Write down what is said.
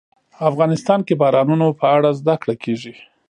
افغانستان کې د بارانونو په اړه زده کړه کېږي.